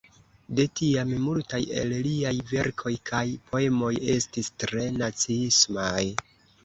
De tiam multaj el liaj verkoj kaj poemoj estis tre naciismaj.